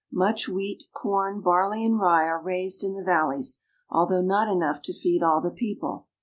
Much wheat, corn, barley, and rye are raised in the valleys, although not enough to feed all the people.